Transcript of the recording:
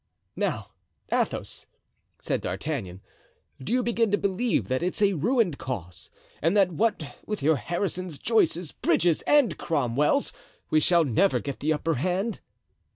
"Now, Athos!" said D'Artagnan, "do you begin to believe that it's a ruined cause, and that what with your Harrisons, Joyces, Bridges and Cromwells, we shall never get the upper hand?"